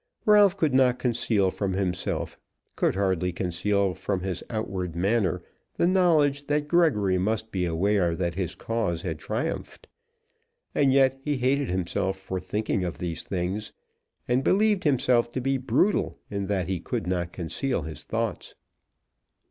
Ralph could not conceal from himself, could hardly conceal from his outward manner, the knowledge that Gregory must be aware that his cause had triumphed. And yet he hated himself for thinking of these things, and believed himself to be brutal in that he could not conceal his thoughts.